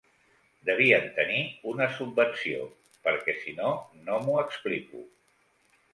Devien tenir una subvenció, perquè si no, no m'ho explico.